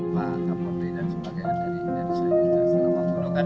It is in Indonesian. pak kapolri dan sebagainya dari saya